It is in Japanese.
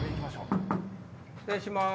失礼します。